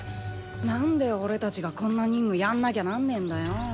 なんで俺たちがこんな任務やんなきゃなんねえんだよ。